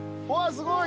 すごい！